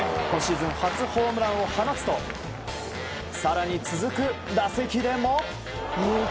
今シーズン初ホームランを放つと更に続く打席でも。